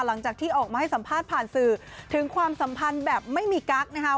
หลังจากที่ออกมาให้สัมภาษณ์ผ่านสื่อถึงความสัมพันธ์แบบไม่มีกั๊กนะคะ